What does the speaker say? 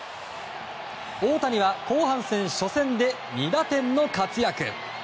大谷は後半戦初戦で２打点の活躍。